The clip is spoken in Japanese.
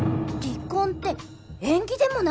離婚って縁起でもない